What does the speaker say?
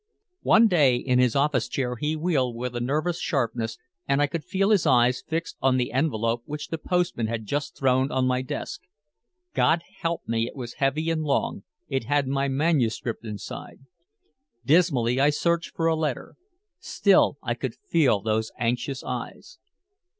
One day in his office chair he wheeled with a nervous sharpness, and I could feel his eyes fixed on the envelope which the postman had just thrown on my desk. God help me, it was heavy and long, it had my manuscript inside. Dismally I searched for a letter. Still I could feel those anxious eyes.